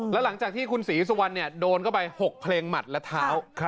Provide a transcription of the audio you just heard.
แล้วหลังจากที่สวรรค์เขาโดนเข้าไปหกเพลงใหม่และเท้า